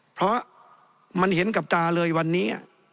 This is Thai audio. เพราะมันเห็นกับตาเลยวันนี้